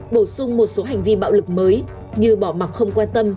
bổ sung một số hành vi bạo lực mới như bỏ mặt không quan tâm